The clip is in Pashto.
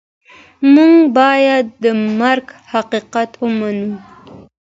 موږ باید د مرګ حقیقت ومنو.